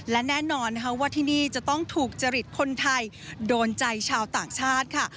และแน่นอนนะคะว่าที่นี่จะต้องถูกจริตคนไทยโดนใจชาวต่างชาติค่ะ